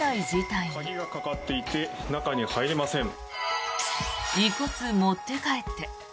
鍵がかかっていて中に入れません。